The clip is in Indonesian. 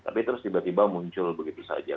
tapi terus tiba tiba muncul begitu saja